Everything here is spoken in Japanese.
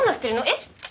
えっ？